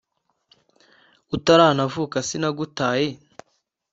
utaranavuka sinagutaye